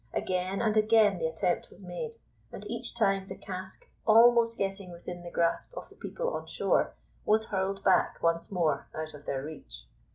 Again and again the attempt was made, and each time the cask, almost getting within the grasp of the people on shore, was hurled back once more out of their reach.